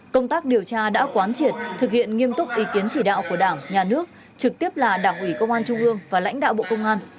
công tác điều tra đã quán triệt thực hiện nghiêm túc ý kiến chỉ đạo của đảng nhà nước trực tiếp là đảng ủy công an trung ương và lãnh đạo bộ công an